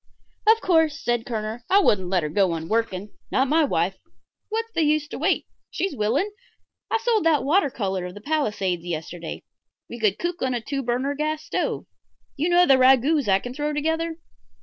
"Of course," said Kerner, "I wouldn't let her go on working. Not my wife. What's the use to wait? She's willing. I sold that water color of the Palisades yesterday. We could cook on a two burner gas stove. You know the ragouts I can throw together?